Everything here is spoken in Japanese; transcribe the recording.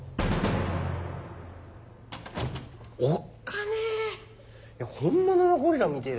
おっかねえ。